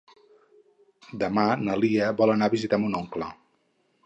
Demà na Lia vol anar a visitar mon oncle.